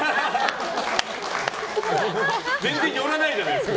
全然寄らないじゃないですか。